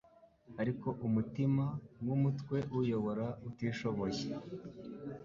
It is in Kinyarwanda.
Ariko umutima, nkumutwe, uyobora utishoboye;